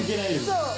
そう！